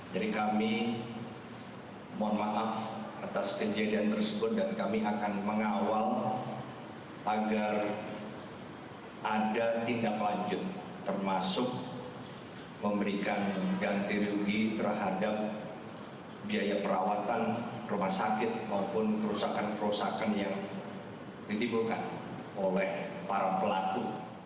jadi kami mohon maaf atas kejadian tersebut dan kami akan mengawal agar ada tindak lanjut termasuk memberikan ganti rugi terhadap biaya perawatan rumah sakit maupun kerusakan kerusakan yang ditimbulkan oleh para pelaku